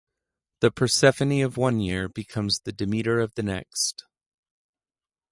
The Persephone of one year becomes the Demeter of the next.